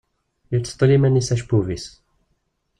Yettseṭṭil iman-is acebbub-is.